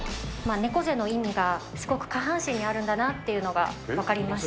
猫背の原因が、すごく下半身にあるんだなというのが、分かりました。